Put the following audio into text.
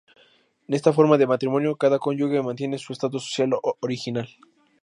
En esta forma de matrimonio cada cónyuge mantiene su estado social original.